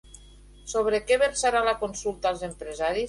Sobre què versarà la consulta als empresaris?